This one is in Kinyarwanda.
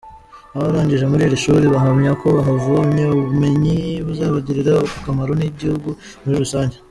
Abarangije muri irii shuri bahamya ko bahavomye ubumenyi buzabagirira akamaro n’igihugu muri rusange.